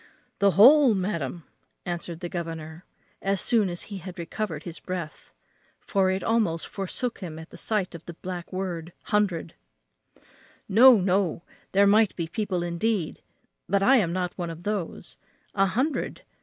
"The whole, madam!" answered the governor, as soon as he had recovered his breath, for it almost forsook him at the sight of the black word hundred "No, no; there might be people indeed but I am not one of those. A hundred!